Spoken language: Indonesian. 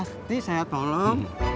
begini pak haji saya kan mau pulang